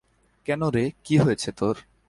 কেন রে, কী হয়েছে তোর।